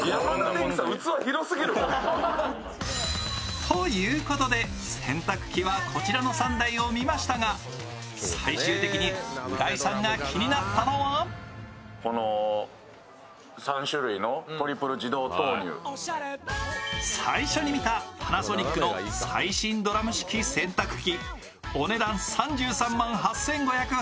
ということで、洗濯機はこちらの３台を見ましたが、最終的に浦井さんが気になったのは最初に見たパナソニックの最新ドラム式洗濯機。